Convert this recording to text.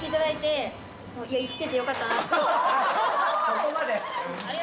そこまで？